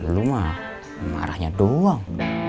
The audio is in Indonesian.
lu mah marahnya doang